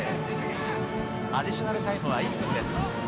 アディショナルタイムは１分です。